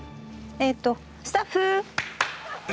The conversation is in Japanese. えっとスタッフ。